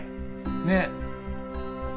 ねえ。